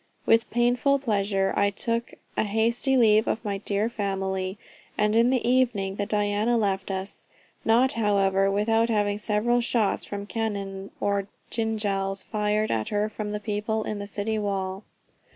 With painful pleasure I took a hasty leave of my dear family, and in the evening the Diana left us, not however without having several shots from cannon or jinjals fired at her from the people on the city wall.